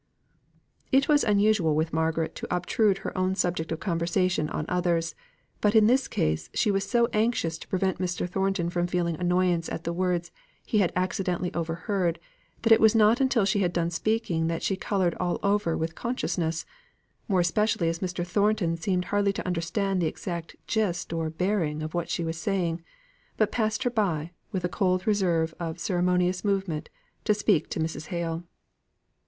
It was unusual with Margaret to obtrude her own subject of conversation on others; but, in this case, she was so anxious to prevent Mr. Thornton from feeling annoyance at the words he had accidentally overheard, that it was not until she had done speaking that she coloured all over with consciousness, more especially as Mr. Thornton seemed hardly to understand the exact gist or bearing of what she was saying, but passed her by, with a cold reserve of ceremonious movement, to speak to Mrs. Hale.